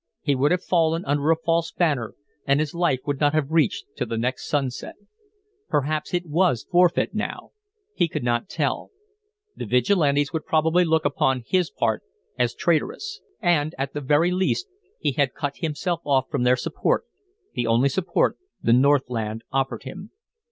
He would have fallen under a false banner, and his life would not have reached to the next sunset. Perhaps it was forfeit now he could not tell. The Vigilantes would probably look upon his part as traitorous; and, at the very least, he had cut himself off from their support, the only support the Northland offered him.